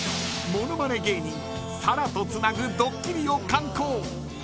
ものまね芸人、沙羅とつなぐドッキリを敢行。